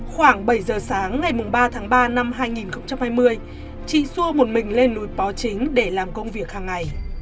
khoảng bảy giờ sáng ngày ba tháng ba năm hai nghìn hai mươi chị xua một mình lên núi bó chính để làm công việc hàng ngày